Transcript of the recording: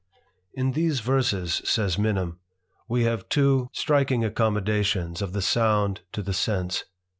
'* In these verses, says Minim, we have two striking 314 THE IDLER. accommodations of the sound to the sense.